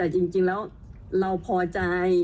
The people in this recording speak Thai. จริงแล้วเราพอใจ